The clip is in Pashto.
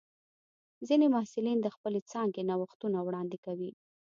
ځینې محصلین د خپلې څانګې نوښتونه وړاندې کوي.